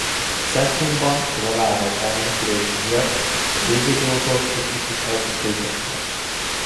A centrumban az alánok elmenekülése miatt a vizigótok kritikus helyzetbe jutottak.